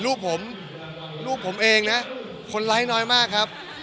ลูกผมลูกผมเองนะคนไลค์น้อยมากครับ